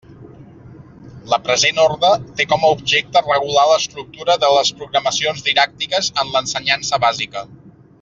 La present orde té com a objecte regular l'estructura de les programacions didàctiques en l'ensenyança bàsica.